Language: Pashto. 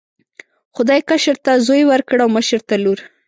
خدای کشر ته زوی ورکړ او مشر ته لور.